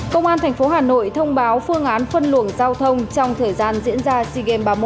công an thành phố hà nội thông báo phương án phân luồng giao thông trong thời gian diễn ra sigem ba mươi một